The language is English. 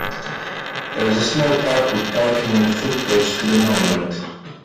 There is a small park with parking and a foot bridge to the monument.